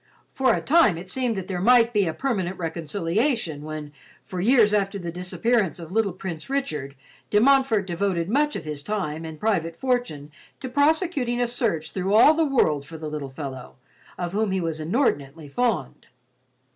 For a time it seemed that there might be a permanent reconciliation when, for years after the disappearance of the little Prince Richard, De Montfort devoted much of his time and private fortune to prosecuting a search through all the world for the little fellow, of whom he was inordinately fond.